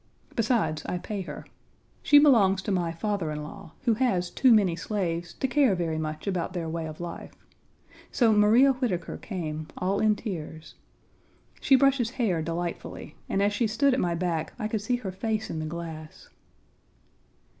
Besides, I pay her. She belongs to my father in law, who has too many slaves to care very much about their way of life. So Maria Whitaker came, all in tears. She brushes hair delightfully, and as she stood at my back I could see her face in the glass.